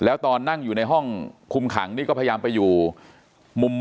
แล้วตอนนั่งอยู่ในห้องคุมขังนี่ก็พยายามไปอยู่มุม